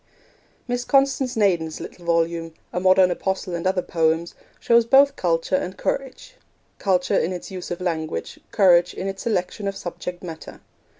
Miss Constance Naden's little volume, A Modern Apostle and Other Poems, shows both culture and courage culture in its use of language, courage in its selection of subject matter.